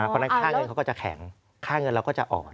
เพราะฉะนั้นค่าเงินเขาก็จะแข็งค่าเงินเราก็จะอ่อน